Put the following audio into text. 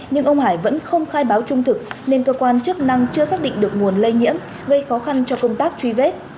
nhưng ông hải vẫn không khai báo trung thực nên cơ quan chức năng chưa xác định được nguồn lây nhiễm gây khó khăn cho công tác truy vết